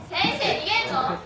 逃げんの？